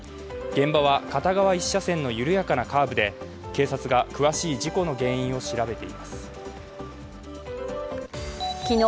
現場は片側１車線の緩やかなカーブで、警察が詳しい事故の原因を調べています。